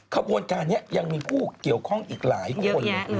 ขบวนการนี้ยังมีผู้เกี่ยวข้องอีกหลายคนเลย